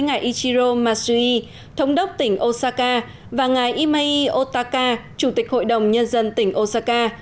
ngài ichiro mashi thống đốc tỉnh osaka và ngài imei otaka chủ tịch hội đồng nhân dân tỉnh osaka